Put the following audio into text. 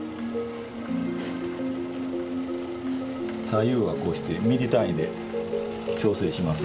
左右はこうしてミリ単位で調整します。